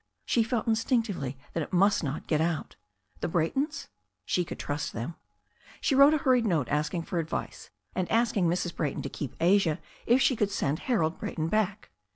She felt in stinctively that it must not get out The Braytons? She could trust them. She wrote a hurried note asking for advice, and asking Mrs. Brayton to keep Asia if she could send Harold Bray ton back.